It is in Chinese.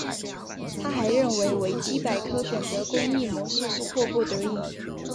他还认为维基百科选择公益模式是迫不得已。